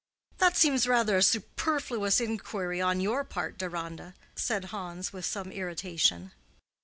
"That seems rather a superfluous inquiry on your part, Deronda," said Hans, with some irritation.